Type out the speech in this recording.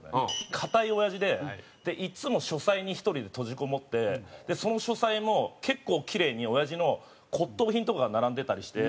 堅いおやじでいつも書斎に１人で閉じこもってその書斎も結構キレイにおやじの骨董品とかが並んでたりして。